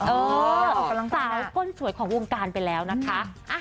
สาวก้นสวยของวงการไปแล้วนะคะ